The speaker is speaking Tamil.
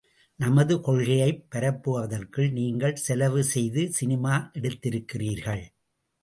நமது கொள்கையைப் பரப்புவதற்கு நீங்கள் செலவு செய்து சினிமா எடுத்திருக்கிறீர்கள்.